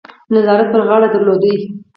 نظارت پر غاړه درلود.